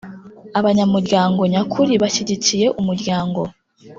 Abanyamuryango nyakuri bashyigikiye umuryango